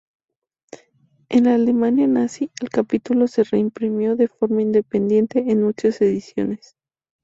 En la Alemania nazi, el capítulo se reimprimió de forma independiente en muchas ediciones.